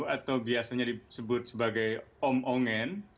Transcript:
atau biasanya disebut sebagai om ongen